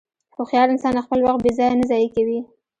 هوښیار انسان خپل وخت بېځایه نه ضایع کوي.